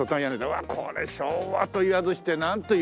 うわっこれ昭和と言わずしてなんと言いますか。